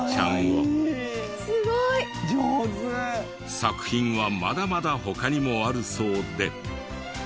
作品はまだまだ他にもあるそうで。